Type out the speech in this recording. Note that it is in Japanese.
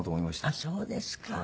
あっそうですか。